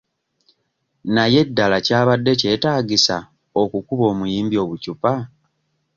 Naye ddala kyabadde kyetaagisa okukuba omuyimbi obucupa?